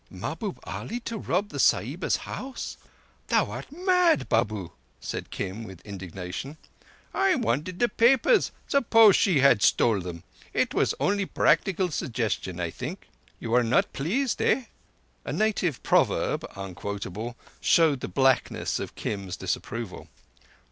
"Mahbub Ali to rob the Sahiba's house? Thou art mad, Babu," said Kim with indignation. "I wanted the papers. Suppose she had stole them? It was only practical suggestion, I think. You are not pleased, eh?" A native proverb—unquotable—showed the blackness of Kim's disapproval.